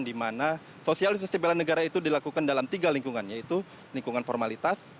di mana sosialisasi bela negara itu dilakukan dalam tiga lingkungan yaitu lingkungan formalitas